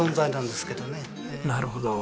なるほど。